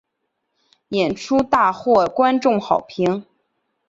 演出大获观众好评。